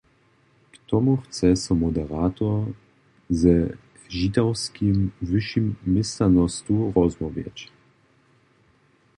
K tomu chce so moderator ze Žitawskim wyšim měšćanostu rozmołwjeć.